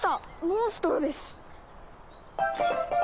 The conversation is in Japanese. モンストロです！